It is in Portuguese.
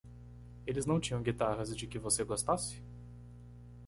Eles não tinham guitarras de que você gostasse?